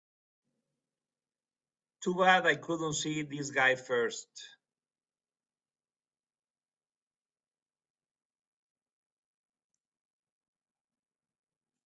Too bad I couldn't see this guy first.